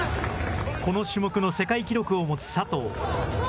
この種目の世界記録を持つ佐藤。